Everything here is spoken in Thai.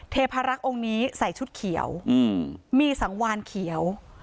เทพารักษ์องค์นี้ใส่ชุดเขียวมีสังวานเขียว